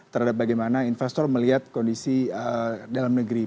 terhadap bagaimana investor melihat kondisi dalam negeri